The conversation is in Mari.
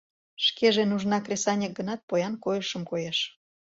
Шкеже нужна кресаньык гынат, поян койышым коеш.